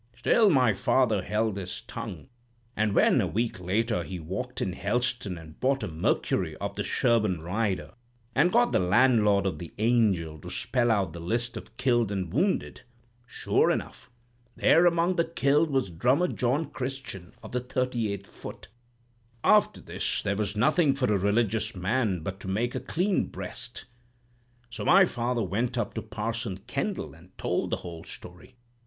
"Still my father held his tongue; and when, a week later, he walked in Helston and bought a 'Mercury' off the Sherborne rider, and got the landlord of the 'Angel' to spell out the list of killed and wounded, sure enough, there among the killed was Drummer John Christian, of the 38th Foot. "After this there was nothing for a religious man but to make a clean breast. So my father went up to Parson Kendall, and told the whole story.